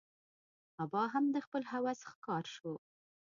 آبا مې هم د خپل هوس ښکار شو.